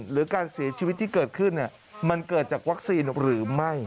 หรือการเสียชีวิตที่เกิดขึ้นมันเกิดจากวัคซีนหรือไม่